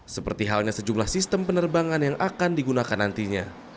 seperti halnya sejumlah sistem penerbangan yang akan digunakan nantinya